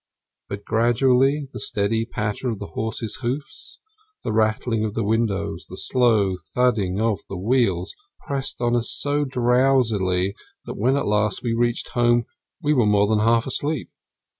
But gradually the steady patter of the horse's hoofs, the rattling of the windows, the slow thudding of the wheels, pressed on us so drowsily that when, at last, we reached home we were more than half asleep.